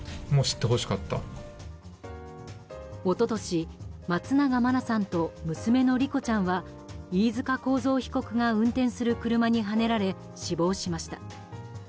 一昨年、松永真菜さんと娘の莉子ちゃんは飯塚幸三被告が運転する車にはねられ死亡しました。